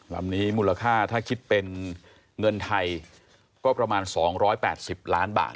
ลำนี้มูลค่าถ้าคิดเป็นเงินไทยก็ประมาณ๒๘๐ล้านบาท